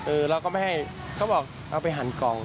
เราก็ไม่ให้เขาบอกเอาไปหันกล่อง